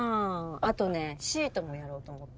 あとねシートもやろうと思って。